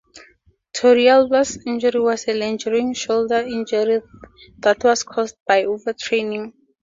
Torrealba's injury was a lingering shoulder injury that was caused by overtraining.